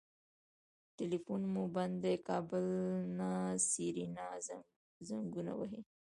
ټليفون مو بند دی کابل نه سېرېنا زنګونه وهي.